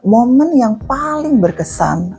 momen yang paling berkesan